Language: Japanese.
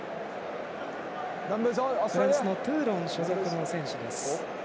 フランスのトゥーロン所属の選手です。